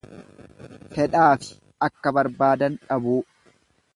Fedha ofi akka barbaadan dhabuu.